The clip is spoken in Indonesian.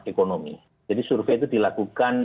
ekonomi jadi survei itu dilakukan